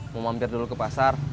mau mampir dulu ke pasar